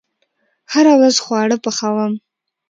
هره ورځ خواړه پخوم